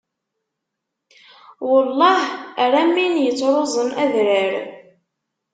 Welleh ar am win yettruẓen adrar!